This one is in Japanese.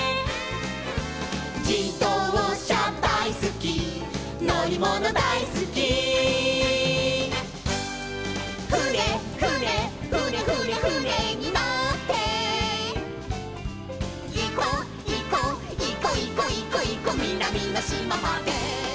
「じどうしゃだいすきのりものだいすき」「ふねふねふねふねふねにのって」「いこいこいこいこいこいこみなみのしままで」